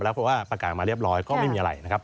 เพราะว่าประกาศมาเรียบร้อยก็ไม่มีอะไรนะครับ